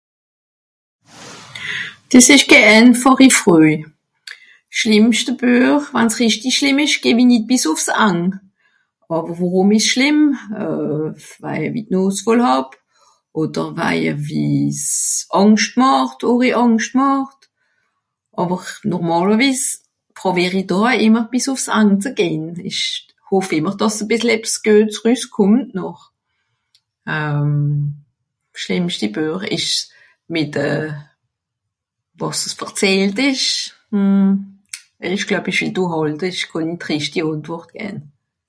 Dìs ìsch ké ènfàchi Fröj. S'schlìmmschte Buech, wann's richti schlìmm ìsch geh-w-i nìt bìs ùff s'Ang. Àwer worùm ìsch's schlìmm ? waje i d'Nàs voll hàb, odder waje wie's Àngscht màcht, àri Àngscht màcht. Àwer normàlewiss prowìer i do aa ìmmer bìs ùff s'And ze gehn ìch hoff ìmmer, dàss e bìssel ebbs güets rüsskùmmt noch. S'schlìmmschte Büech ìsch's mìt de wàs es verzehlt ìsch. ìch gloeb ìch wìll do hàlte ìch kànn nìt rìchti Àntwùrt gänn.